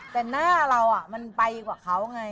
แต่หน้าเรามันไปกว่าเขาไง